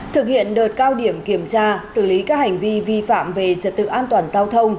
thực hiện đợt cao điểm kiểm tra xử lý các hành vi vi phạm về trật tự an toàn giao thông